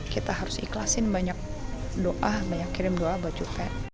kita harus ikhlasin banyak doa banyak kirim doa buat cukai